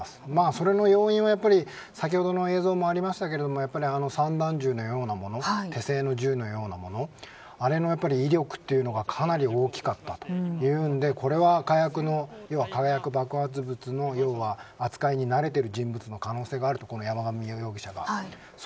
それの要因は先ほどの映像にもありましたがあの散弾銃のようなもの手製の銃のようなものあれの威力がかなり大きかったというのでこれは火薬、爆発物の要は扱いに慣れてる人物の可能性がある山上容疑者がね。